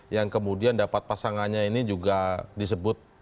yang kemudian dapat pasangannya ini juga disebut